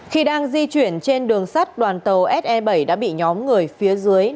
khi đang di chuyển trên đường sắt đoàn tàu se bảy đã bị nhóm người phía dưới